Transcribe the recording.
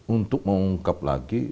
untuk mengungkap lagi